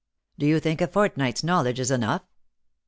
" Do you think a fortnight's knowledge is enough